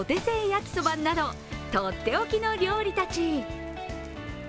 焼きそばなど、とっておきの料理たち。